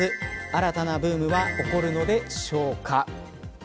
新たなブームは起こるのでしょうか。